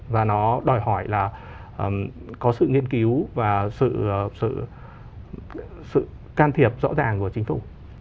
và nó đòi hỏi là có sự nghiên cứu và sự can thiệp rõ ràng của chính phủ